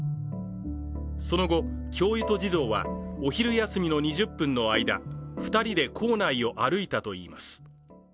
その後、教諭と児童はお昼休みの２０分の間、２人で校内を歩いたといいます。